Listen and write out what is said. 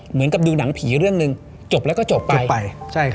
เหมือนกับดูหนังผีเรื่องหนึ่งจบแล้วก็จบไป